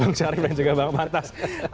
bang syarif dan juga bang martas